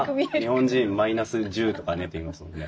日本人マイナス１０とかねって言いますもんね。